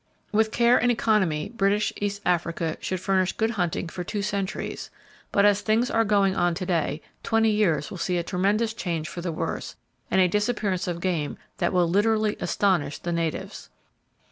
With care and economy, British [Page 187] East Africa should furnish good hunting for two centuries, but as things are going on to day, twenty years will see a tremendous change for the worse, and a disappearance of game that will literally astonish the natives.